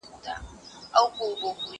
زه هره ورځ کتابونه لولم!؟